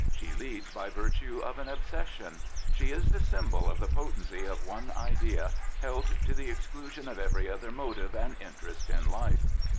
She leads by virtue of an obsession. She is the S5unbol of the potency of one idea held to the exclusion of every other motive and interest in life.